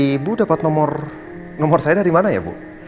ibu dapat nomor nomor saya dari mana ya